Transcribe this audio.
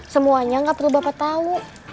semuanya gak perlu bapak tahu